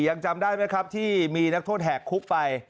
ยังจำได้ไหมครับที่มีนักโทษแหกคุกไป